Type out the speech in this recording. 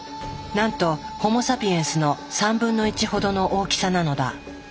なんとホモ・サピエンスの３分の１ほどの大きさなのだ。